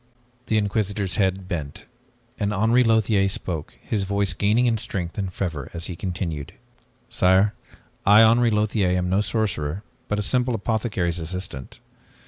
The Inquisitor's head bent, and Henri Lothiere spoke, his voice gaining in strength and fervor as he continued. "Sire, I, Henri Lothiere, am no sorcerer but a simple apothecary's assistant.